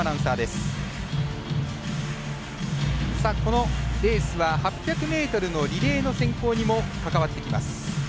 このレースは８００ｍのリレーの選考にも関わってきます。